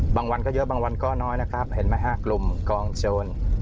บางวันก็เยอะบางวันก็น้อยนะครับเห็นไหมฮะกลุ่มกองโจร